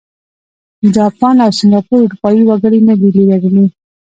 جاپان او سینګاپور اروپايي وګړي نه دي لرلي.